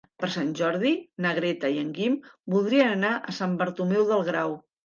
Per Sant Jordi na Greta i en Guim voldrien anar a Sant Bartomeu del Grau.